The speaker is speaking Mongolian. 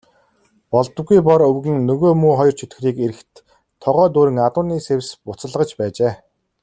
Болдоггүй Бор өвгөн нөгөө муу хоёр чөтгөрийг ирэхэд тогоо дүүрэн адууны сэвс буцалгаж байжээ.